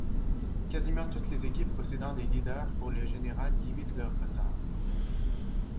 Quasiment toutes les équipes possédants des leaders pour le général limitent leur retard.